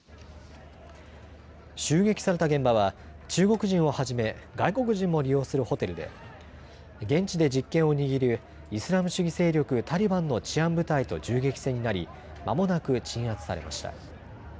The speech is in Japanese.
襲撃された現場は中国人をはじめ外国人も利用するホテルで現地で実権を握るイスラム主義勢力タリバンの治安部隊と銃撃戦になりまもなく鎮圧されました。